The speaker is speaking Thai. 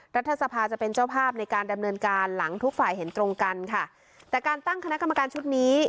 รัฐสภาจะเป็นเจ้าภาพในการดำเนินการหลังทุกฝ่ายเห็นตรงกันค่ะแต่การตั้งคณะกรรมการชุดนี้